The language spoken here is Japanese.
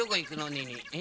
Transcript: ねえねえ。